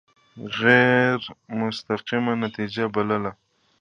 غیر مستقیمه نتیجه بلله.